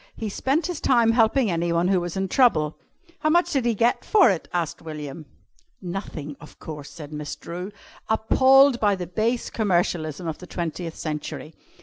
He spent his time helping anyone who was in trouble." "How much did he get for it?" asked William. "Nothing, of course," said Miss Drew, appalled by the base commercialism of the twentieth century.